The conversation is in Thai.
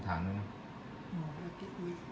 กลุ่มใหม่กับหมอกมือ